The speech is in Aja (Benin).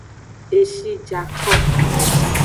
Eshi ja ko.